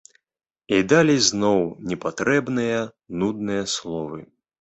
І далей зноў непатрэбныя, нудныя словы.